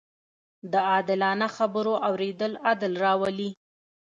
د عادلانه خبرو اورېدل عدل راولي